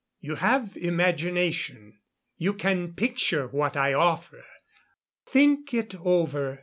You have imagination you can picture what I offer. Think it over.